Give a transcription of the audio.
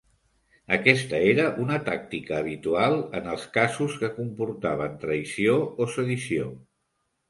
Aquesta era una tàctica habitual en els casos que comportaven traïció o sedició.